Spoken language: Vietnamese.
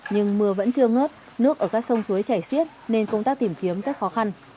nhưng mưa vẫn chưa ngớt nước ở các sông suối chảy xiết nên công tác tìm kiếm rất khó khăn